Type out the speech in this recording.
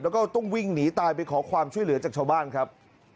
แล้วก็ต้องวิ่งหนีตายไปขอความช่วยเหลือจากชาวบ้านครับ